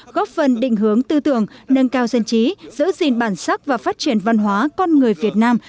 góp phần định hướng tư tưởng nâng cao dân chí giữ gìn bản sắc và phát triển văn hóa con người việt nam